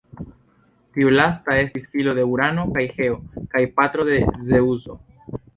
Tiu lasta estis filo de Urano kaj Geo, kaj patro de Zeŭso.